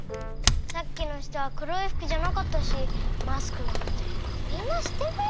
さっきの人はくろいふくじゃなかったしマスクなんてみんなしてるよ？